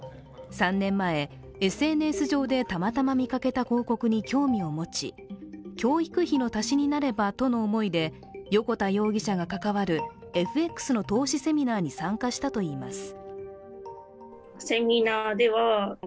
３年前、ＳＮＳ上でたまたま見かけた広告に興味を持ち教育費の足しになればとの思いで横田容疑者が関わるＦＸの投資セミナーに参加したといいます。